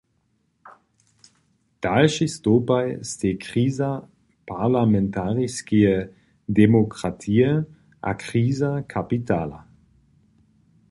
Dalšej stołpaj stej kriza parlamentariskeje demokratije a kriza kapitala.